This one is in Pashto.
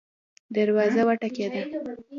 دروازه وټکیده